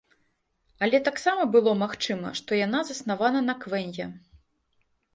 Але таксама было магчыма, што яна заснавана на квэнья.